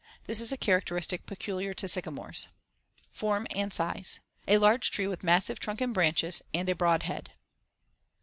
This is a characteristic peculiar to sycamores. Form and size: A large tree with massive trunk and branches and a broad head.